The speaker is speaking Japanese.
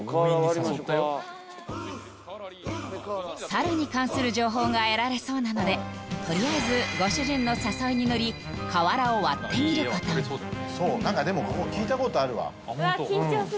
猿に関する情報が得られそうなのでとりあえずご主人の誘いに乗り瓦を割ってみる事になんかでもここ聞いた事あるわ。